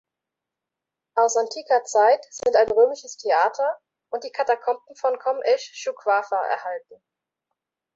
Aus antiker Zeit sind ein römisches Theater und die Katakomben von Kom esch-Schuqafa erhalten.